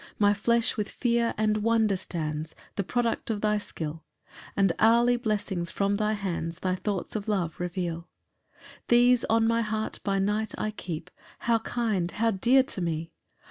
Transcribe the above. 2 My flesh with fear and wonder stands, The product of thy skill, And hourly blessings from thy hands, Thy thoughts of love reveal. 3 These on my heart by night I keep; How kind, how dear to me!